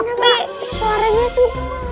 tapi suaranya tuh